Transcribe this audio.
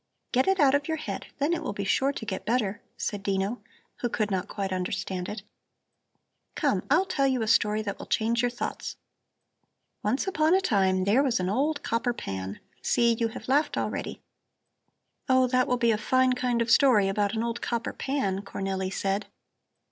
Get it out of your head, then it will be sure to get better," said Dino, who could not quite understand it. "Come, I'll tell you a story that will change your thoughts. Once upon a time there was an old copper pan See, you have laughed already!" "Oh, that will be a fine kind of story about an old copper pan!" Cornelli said.